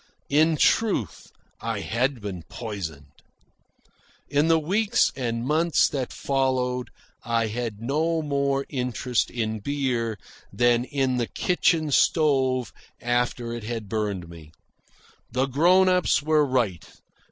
In truth, I had been poisoned. In the weeks and months that followed I had no more interest in beer than in the kitchen stove after it had burned me. The grown ups were right.